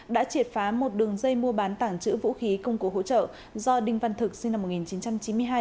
đã triệt phá một đường dây mua bán tảng trữ vũ khí công cụ hỗ trợ do đinh văn thực sinh năm một nghìn chín trăm chín mươi hai